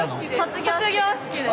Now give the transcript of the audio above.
卒業式です。